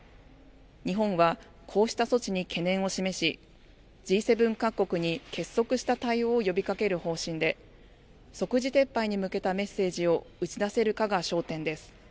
日本はこうした措置に懸念を示しＧ７各国に結束した対応を呼びかける方針で即時撤廃に向けたメッセージを打ち出せるかが焦点です。